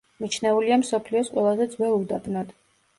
მიჩნეულია მსოფლიოს ყველაზე ძველ უდაბნოდ.